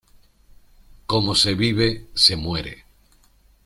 Como se vive, se muere.